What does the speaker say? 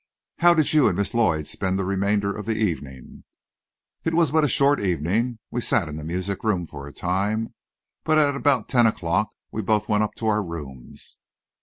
"How did you and Miss Lloyd spend the remainder of the evening?" "It was but a short evening. We sat in the music room for a time, but at about ten o'clock we both went up to our rooms."